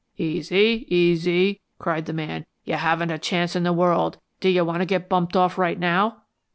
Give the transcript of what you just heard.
"Easy, easy!" cried the man. "You haven't a chance in the world! Do you want to get bumped off right now?"